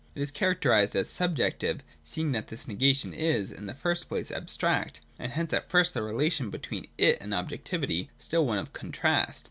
It is characterised as subjective, seeing that this negation is, in the first place, abstract, and hence at first the relation between it and objectivity still one of contrast.